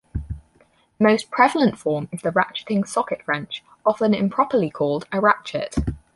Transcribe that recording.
The most prevalent form is the ratcheting socket wrench, often improperly called a ratchet.